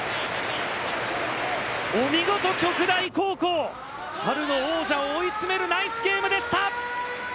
お見事旭大高校、春の王者を追い詰めるナイスゲームでした。